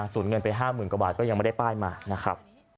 สูญเงินไป๕๐๐๐กว่าบาทก็ยังไม่ได้ป้ายมานะครับ